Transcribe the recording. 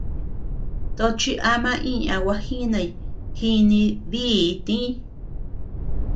Tochi ama iña gua jínay, jíni díi tíñ.